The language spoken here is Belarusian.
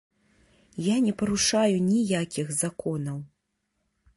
Я не парушаю ніякіх законаў.